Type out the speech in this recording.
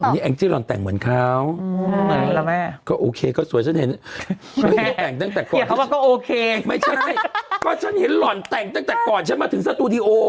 อันนี้แองจิหลอนแต่งเหมือนเขาเหมือนแกนะแม่อ่ะ